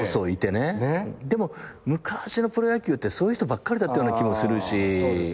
でも昔のプロ野球ってそういう人ばっかりだったような気もするし。